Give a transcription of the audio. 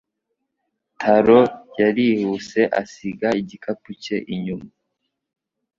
Taro yarihuse asiga igikapu cye inyuma.